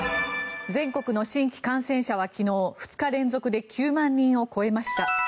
全国の新規感染者は昨日２日連続で９万人を超えました。